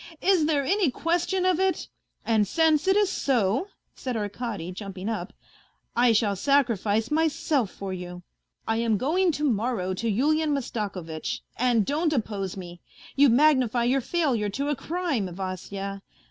Is there any question of it ? And since it is so," said Arkady, jumping up, " I shall sacrifice myself forlfyou. I am going to morrow to Yulian Mastakovitch, and don't oppose me. You|magnify your failure to a crime, Vasya.